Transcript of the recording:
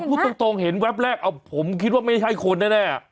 พูดตรงเห็นแวบแรกเอาผมคิดว่าไม่ใช่คนแน่